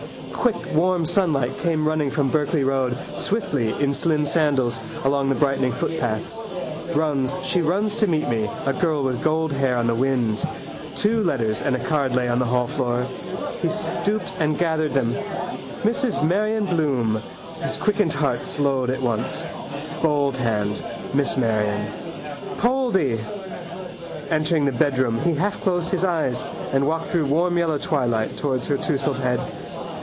Quick warm sunlight came running from Berkeley road, swiftly, in slim sandals, along the brightening footpath. Runs, she runs to meet me, a girl with gold hair on the wind. Two letters and a card lay on the hallfloor. He stooped and gathered them. Mrs Marion Bloom. His quickened heart slowed at once. Bold hand. Mrs Marion. —Poldy! Entering the bedroom he halfclosed his eyes and walked through warm yellow twilight towards her tousled head.